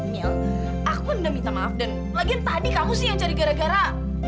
mil aku udah minta maaf dan lagian tadi kamu sih yang cari gara gara